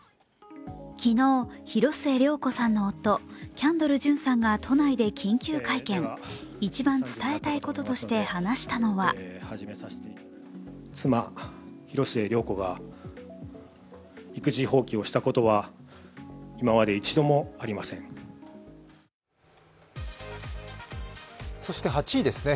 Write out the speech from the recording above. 昨日、広末涼子さんの夫、キャンドル・ジュンさんが都内で緊急会見一番伝えたいこととして話したのはそして８位ですね。